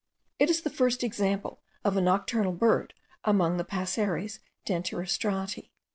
It is the first example of a nocturnal bird among the Passeres dentirostrati.